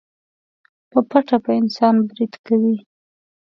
په پټه په انسان بريد کوي.